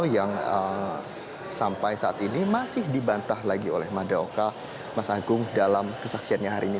yang sampai saat ini masih dibantah lagi oleh madaoka mas agung dalam kesaksiannya hari ini